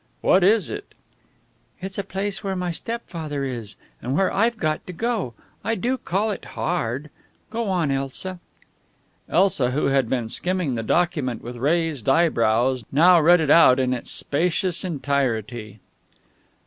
What is it?" "It's a place where my stepfather is, and where I've got to go. I do call it hard. Go on, Elsa." Elsa, who had been skimming the document with raised eyebrows, now read it out in its spacious entirety.